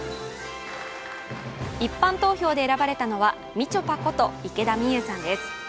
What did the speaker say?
一般投票で選ばれたのはみちょぱこと池田美優さんです。